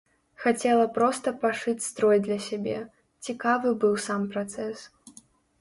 Хацела проста пашыць строй для сябе, цікавы быў сам працэс.